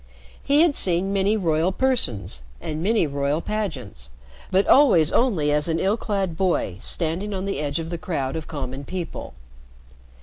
He had seen many royal persons and many royal pageants, but always only as an ill clad boy standing on the edge of the crowd of common people.